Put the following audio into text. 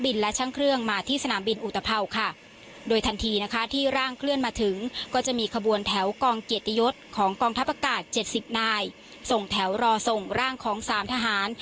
วิทยา๗๐นายส่งแถวรอส่งร่างของ๓ทหาร